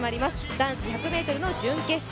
男子１００ｍの準決勝。